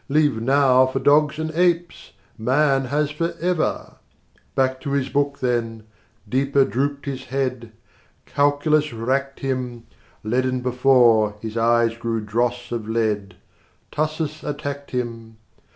Leave Now for dogs and apes! Man has Forever." Back to his book then: deeper drooped his head: Calculus racked him: Leaden before, his eyes grew dross of lead: Tussis attacked him.